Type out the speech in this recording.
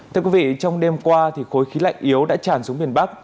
thưa quý vị trong đêm qua thì khối khí lạnh yếu đã tràn xuống miền bắc